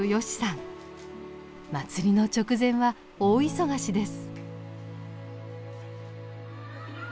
祭りの直前は大忙しです。